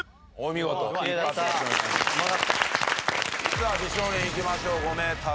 さあ美少年いきましょう５メーター。